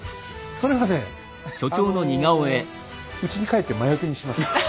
それはねあのうちに帰って魔よけにします。